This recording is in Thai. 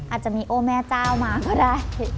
อาจจะมีโอ้แม่เจ้ามาก็ได้